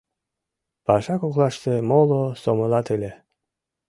Паша коклаште моло сомылат ыле.